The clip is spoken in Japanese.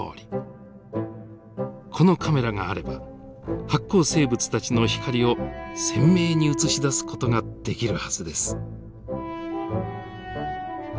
このカメラがあれば発光生物たちの光を鮮明に映し出す事ができるはずです。